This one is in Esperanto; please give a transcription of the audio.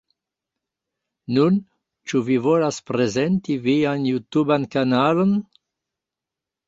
Nun, ĉu vi volas prezenti vian jutuban kanalon?